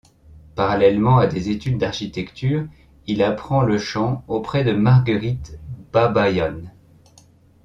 Parallèlement à des études d’architecture, il apprend le chant auprès de Marguerite Babaïan.